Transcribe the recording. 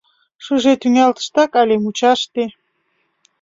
Шыже тӱҥалтыштак але мучаште.